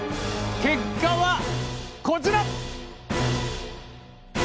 結果はこちら！